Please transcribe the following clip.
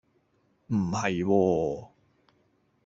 唔係喎